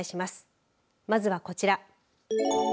まずはこちら。